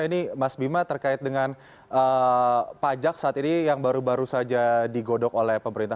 ini mas bima terkait dengan pajak saat ini yang baru baru saja digodok oleh pemerintah